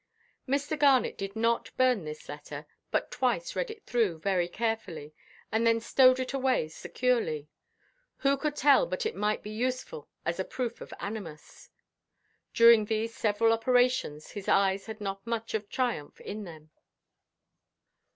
Mr. Garnet did not burn this letter, but twice read it through very carefully, and then stowed it away securely. Who could tell but it might be useful as a proof of animus? During these several operations his eyes had not much of triumph in them.